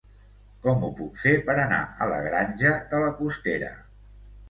Com ho puc fer per anar a la Granja de la Costera?